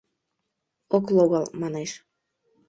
Ок логал, манеш...